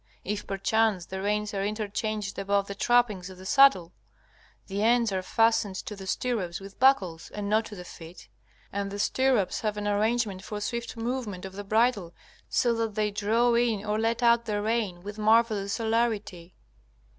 If perchance the reins are interchanged above the trappings of the saddle, the ends are fastened to the stirrups with buckles, and not to the feet. And the stirrups have an arrangement for swift movement of the bridle, so that they draw in or let out the rein with marvellous celerity.